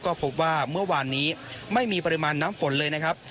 ก็พบว่าเมื่อวานนี้ไม่มีปริมาณน้ำฝนเลยนะครับ